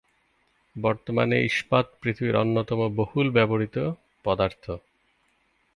বর্তমানে ইস্পাত পৃথিবীর অন্যতম বহুল ব্যবহৃত পদার্থ।